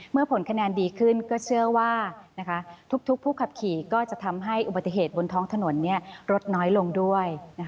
ผลคะแนนดีขึ้นก็เชื่อว่าทุกผู้ขับขี่ก็จะทำให้อุบัติเหตุบนท้องถนนลดน้อยลงด้วย